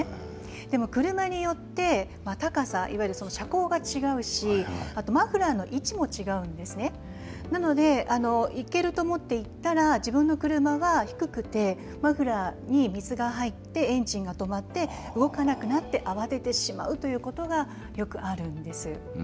でも車によって高さいわゆる車高が違うしマフラーの位置も違うんですねですから行けると思っていたら自分の車は低くてマフラーに水が入ってエンジンが止まって動かなくなって慌ててしまうということがよくあるんですよ。